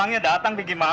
kamu orang gelisah